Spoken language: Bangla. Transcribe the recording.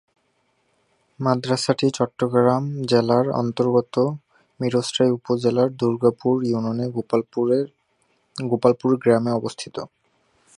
মাদ্রাসাটি চট্টগ্রাম জেলার অন্তর্গত মীরসরাই উপজেলার দুর্গাপুর ইউনিয়নের গোপালপুর গ্রামে অবস্থিত।